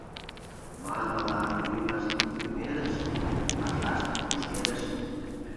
Манмыла, «лӱмышт — лӱмедыш, пашашт — пушкедыш».